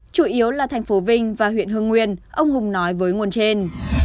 chủ yếu là thành phố vinh và huyện hương nguyên ông hùng nói với nguồn trên